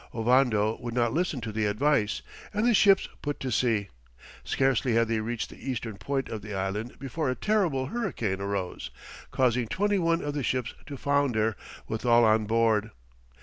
Ovando would not listen to the advice, and the ships put to sea; scarcely had they reached the eastern point of the island before a terrible hurricane arose, causing twenty one of the ships to founder with all on board.